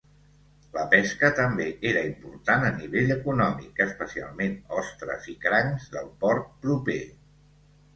La pesca també era important a nivell econòmic, especialment ostres i crancs del port proper.